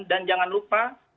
dan jangan lupa